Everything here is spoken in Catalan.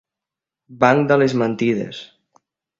Banc de les mentides.